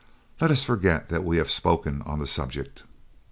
Let us forget that we have spoken on the subject."